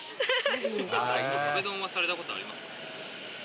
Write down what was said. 壁ドンはされたことありますか？